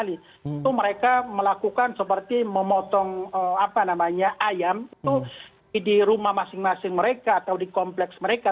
itu mereka melakukan seperti memotong ayam itu di rumah masing masing mereka atau di kompleks mereka